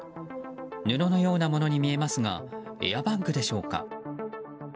布のようなものに見えますがエアバッグでしょうか。